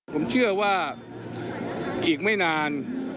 ผมเชื่อว่าอีกไม่นาน